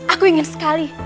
aku ingin sekali